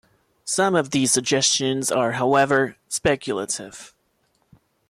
Some of these suggestions are, however, speculative.